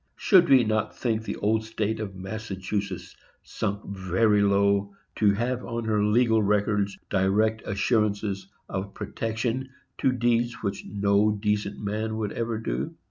Should we not think the old State of Massachusetts sunk very low, to have on her legal records direct assurances of protection to deeds which no decent man would ever do?